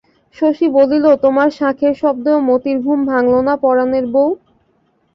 শশী বলিল তোমার শাঁখের শব্দেও মতির ঘুম ভাঙল না পরাণের বৌ?